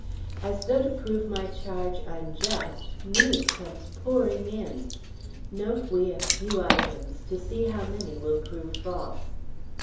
As though to prove my charge unjust, news comes pouring in. Note we a few items, to see how many will prove false.